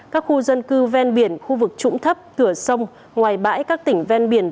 các khu dân cư ve biển khu vực trũng thấp cửa sông ngoài bãi các tỉnh ve biển